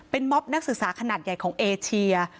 เป็นม็อบนักศึกษาขนาดใหญ่ของเอเชีย